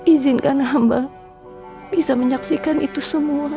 izinkan hamba bisa menyaksikan itu semua